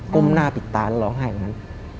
้มหน้าปิดตาแล้วร้องไห้อย่างนั้น